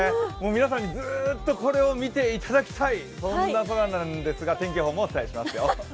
皆さんにずーっとこれを見ていただきたい、そんな空なんですが天気予報もお伝えしますよ。